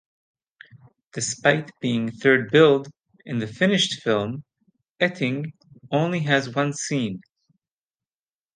Despite being third-billed, in the finished film, Etting only has one scene.